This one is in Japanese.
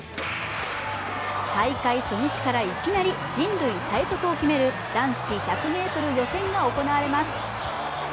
大会初日から、いきなり人類最速を決める男子１００ｍ予選が行われます。